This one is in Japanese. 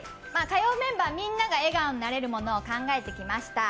火曜メンバーみんなが笑顔になるものを考えてきました。